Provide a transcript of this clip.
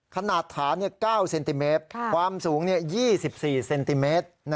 ขนาดฐาน๙เซนติเมตรความสูง๒๔เซนติเมตร